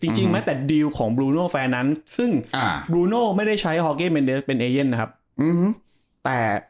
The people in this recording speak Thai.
ถ้าไม่มีไม่ได้มา